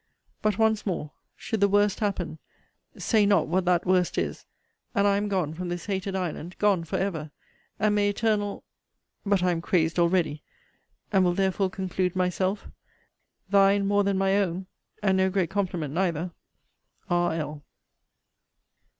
But once more, should the worst happen say not what that worst is and I am gone from this hated island gone for ever and may eternal but I am crazed already and will therefore conclude myself, Thine more than my own, (and no great compliment neither) R.L.